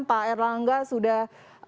pak erlangga sudah